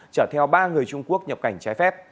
chở theo ba người trung quốc nhập cảnh trái phép